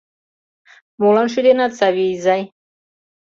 Молан шӱденат, Савий изай?